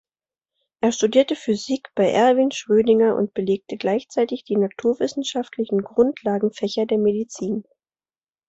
Er studierte Physik bei Erwin Schrödinger und belegte gleichzeitig die naturwissenschaftlichen Grundlagenfächer der Medizin.